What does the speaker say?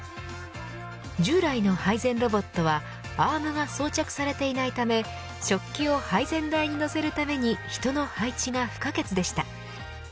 従来の配膳ロボットはアームが装着されていないため食器を配膳台に乗せるために人の配置が不可欠でした。